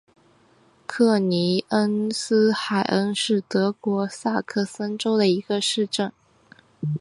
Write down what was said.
克尼格斯海恩是德国萨克森州的一个市镇。